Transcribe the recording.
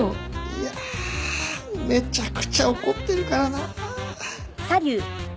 いやめちゃくちゃ怒ってるからな。